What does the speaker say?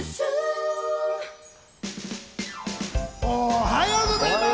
おはようございます。